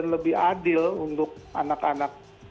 lebih adil untuk anak anak